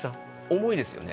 重いですよね？